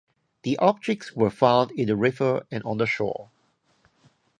The objects were found in the river and on the shore.